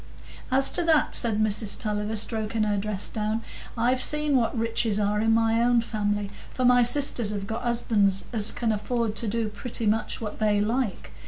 "As to that," said Mrs Tulliver, stroking her dress down, "I've seen what riches are in my own family; for my sisters have got husbands as can afford to do pretty much what they like.